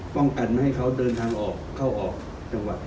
ป้องกันไม่ให้เขาเดินทางออกเข้าออกจังหวัด